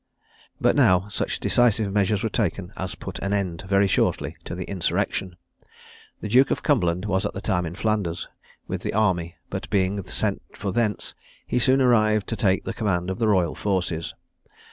But now such decisive measures were taken as put an end very shortly to the insurrection. The Duke of Cumberland was at this time in Flanders, with the army, but being sent for thence, he soon arrived to take the command of the royal forces.